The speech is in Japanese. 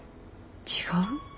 違う？